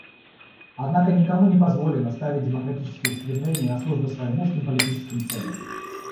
Однако никому не позволено ставить демократические устремления на службу своим узким политическим целям.